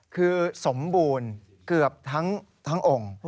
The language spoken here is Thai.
คือสมบูรณ์เกือบทั้งองค์